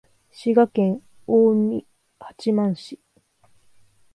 滋賀県近江八幡市